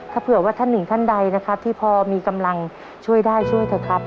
ถ้าเผื่อว่าท่านหนึ่งท่านใดนะครับที่พอมีกำลังช่วยได้ช่วยเถอะครับ